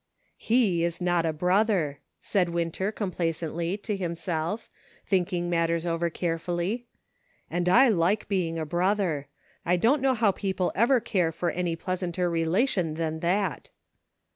" He is not a brother," said Winter, compla cently, to himself, thinking matters over carefully ;" and I like being a brother. I don't know how people ever care for any pleasanter relation than that."